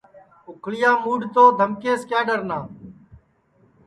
اُکھݪِیام موڈؔ تو دھمکیس کِیا ڈؔنا